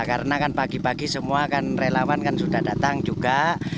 karena kan pagi pagi semua kan prelawan kan sudah datang juga